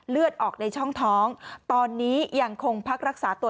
เลือดออกในช่องท้องตอนนี้ยังคงพักรักษาตัว